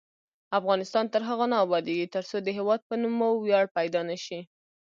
افغانستان تر هغو نه ابادیږي، ترڅو د هیواد په نوم مو ویاړ پیدا نشي.